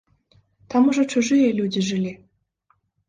Там ужо чужыя людзі жылі.